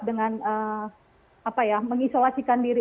jangan tunggu dengan apa ya mengisolasikan diri